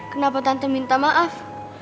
kenapa tante minta maaf